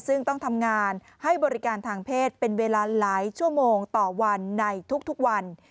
ซึ่งต้องทำงานให้บริการทางเพศเป็นเวลาหลายชั่วโมงต่อวันในทุกวัน